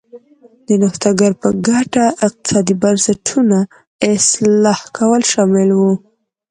د نوښتګرو په ګټه اقتصادي بنسټونو اصلاح کول شامل و.